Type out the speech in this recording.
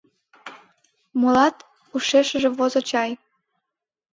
Молат ушешыже возо чай.